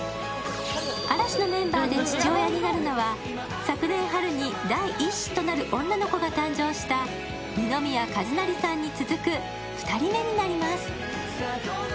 嵐のメンバーで父親になるのは、昨年春に第１子となる女の子が誕生した二宮和也さんに続く２人目になります。